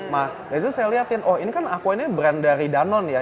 nah reza saya lihatin oh ini kan aqua ini brand dari danone ya